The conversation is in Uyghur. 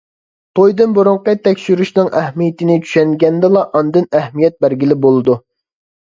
تويدىن بۇرۇنقى تەكشۈرتۈشنىڭ ئەھمىيىتىنى چۈشەنگەندىلا ئاندىن ئەھمىيەت بەرگىلى بولىدۇ.